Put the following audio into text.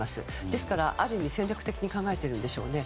ですから、ある意味、戦略的に考えているんでしょうね。